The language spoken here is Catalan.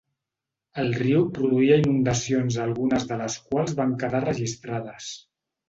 El riu produïa inundacions algunes de les quals van quedar registrades.